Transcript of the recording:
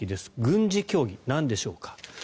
軍事教義、なんでしょうか。